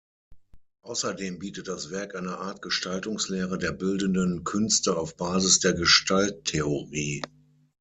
Außerdem bietet das Werk eine Art Gestaltungslehre der bildenden Künste auf Basis der Gestalttheorie.